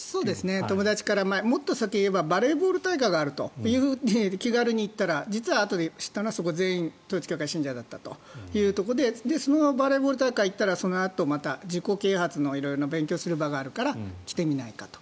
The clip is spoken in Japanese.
友達からもっと先を言えばバレーボール大会があると気軽に行ったら実はあとで知ったのはそこは全員統一教会信者だったということでその場で、行ったら自己啓発など色々勉強する場があるから来てみないかと。